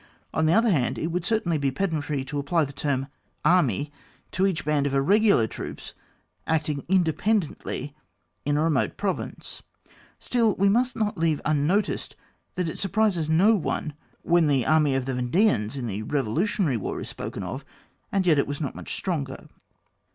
On the other hand, it would cer tainly be pedantry to apply the term Army to each band of irreg^ar troops acting independently in a remote pro vince : still we must not leave unnoticed that it surprises no one when the Army of the Yendeans in the Bevolutionary War is spoken of, and yet it was not much stronger.